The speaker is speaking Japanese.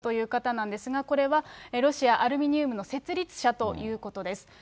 オレグ・デリパスカ氏という方なんですが、これは、ロシア・アルミニウムの設立者ということです。